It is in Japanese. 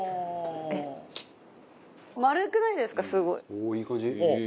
おおいい感じ。